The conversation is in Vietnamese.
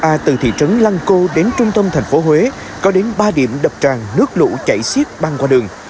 a từ thị trấn lăng cô đến trung tâm thành phố huế có đến ba điểm đập tràn nước lũ chảy xiết băng qua đường